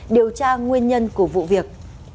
điều tra nguyên nhân của vụ việc